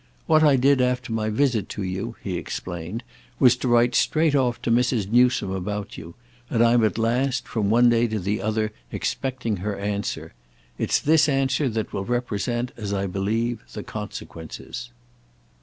What I did after my visit to you," he explained, "was to write straight off to Mrs. Newsome about you, and I'm at last, from one day to the other, expecting her answer. It's this answer that will represent, as I believe, the consequences."